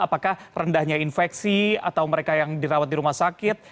apakah rendahnya infeksi atau mereka yang dirawat di rumah sakit